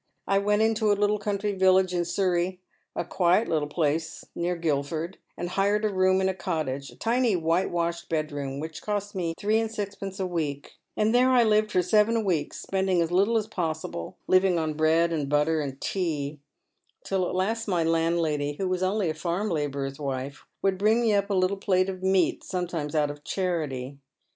I went into a little country village in Surrey — a quiet little place near Guildford — and hired a room in a cottage, a tiny whitewashed bedroom which cost me three and sixpence a week, and tJiere I lived for seven weeks, spending as little as possible, living on bread and butter and tea, till at last my landlady, who was only a farm labourer's wife, would bring me up a little plate of meat sometimes out of chanty.